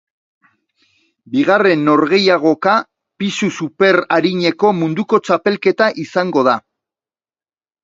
Bigarren norgehiagoka pisu superarineko munduko txapelketa izango da.